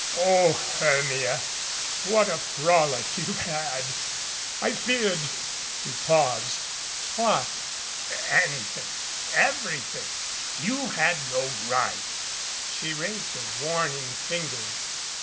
"O Hermia, what a frolic you've had ! I feared " He paused. 193 MADCAP "What?" "Anything everything. You had no right " She raised a warning finger.